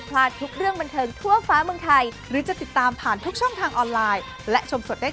เป็นลี่มากค่ะ